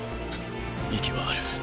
息はある。